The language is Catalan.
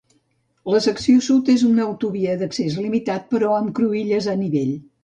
La secció sud és una autovia d'accés limitat, però am cruïlles a nivell.